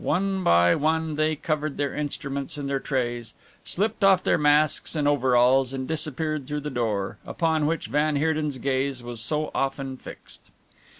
One by one they covered their instruments and their trays, slipped off their masks and overalls and disappeared through the door, upon which van Heerden's gaze was so often fixed.